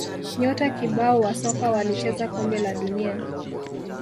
nyota kibao wa soka walicheza kombe la dunia